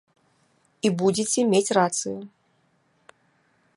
І будзеце мець рацыю.